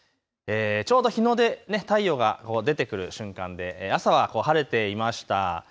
ちょうど日の出、太陽が出てくる瞬間で朝は晴れていました。